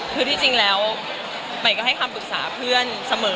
คือที่จริงแล้วใหม่ก็ให้คำปรึกษาเพื่อนเสมอ